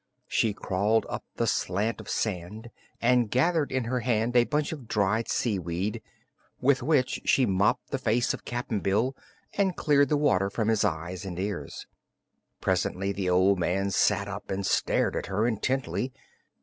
She crawled up the slant of sand and gathered in her hand a bunch of dried seaweed, with which she mopped the face of Cap'n Bill and cleared the water from his eyes and ears. Presently the old man sat up and stared at her intently.